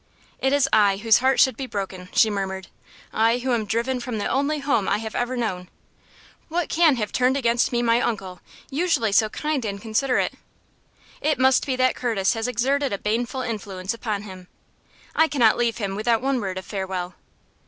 "It is I whose heart should be broken!" she murmured; "I who am driven from the only home I have ever known. What can have turned against me my uncle, usually so kind and considerate? It must be that Curtis has exerted a baneful influence upon him. I cannot leave him without one word of farewell."